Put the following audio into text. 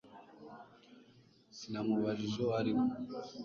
sinamubajije uwo ari we